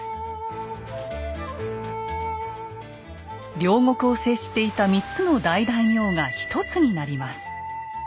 領国を接していた３つの大大名が一つになります。